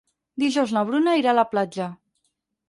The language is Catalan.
Dijous na Bruna irà a la platja.